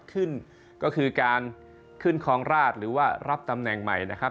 ขึ้นก็คือการขึ้นครองราชหรือว่ารับตำแหน่งใหม่นะครับ